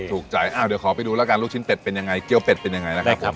ถูกใจอ้าวเดี๋ยวขอไปดูแล้วกันลูกชิ้นเป็ดเป็นยังไงเกี้ยวเป็ดเป็นยังไงนะครับผม